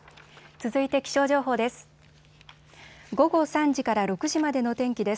続いて気象情報です。